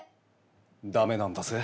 ダメなんだぜ。